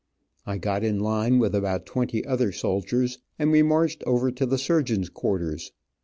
I got in line with about twenty other soldiers, and we marched over to the surgeon's quarters.